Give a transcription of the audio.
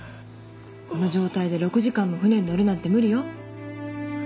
この状態で６時間も船に乗るなんて無理よ。